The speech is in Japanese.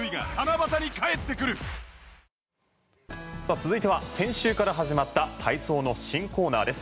続いては先週から始まった体操の新コーナーです。